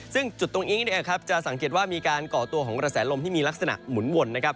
ซึ่งจุดตรงนี้จะสังเกตว่ามีการก่อตัวของกระแสลมที่มีลักษณะหมุนวนนะครับ